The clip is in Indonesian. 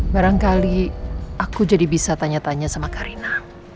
barangkali aku jadi bisa tanya tanya sama karina